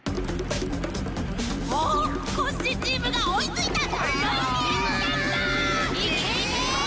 おおコッシーチームがおいついた！はいや！